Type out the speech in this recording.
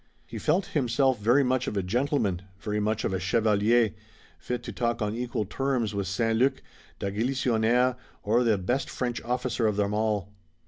He felt himself very much of a gentleman, very much of a chevalier, fit to talk on equal terms with St. Luc, de Galisonnière or the best French officer of them all.